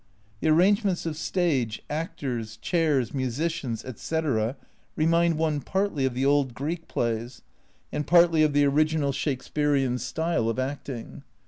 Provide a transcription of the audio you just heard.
The arrangements of stage, actors, chairs, musicians, etc. remind one partly of the old Greek plays and partly of the original Shakespearean style of acting.